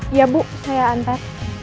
iya bu saya antar